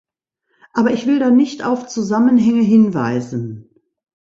Aber ich will da nicht auf Zusammenhänge hinweisen.